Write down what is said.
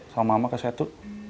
sama mama ke setu